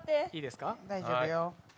大丈夫よ。